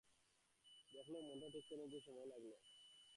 দেখলুম মনটা ঠিক করে নিতে কিছু সময় লাগল।